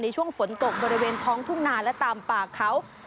ช่วงฝนตกบริเวณท้องทุ่งนาและตามป่าเขา